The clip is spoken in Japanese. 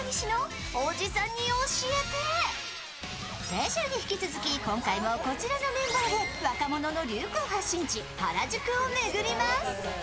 先週に引き続き、今回もこのメンバーで、若者の流行発信地、原宿を巡ります。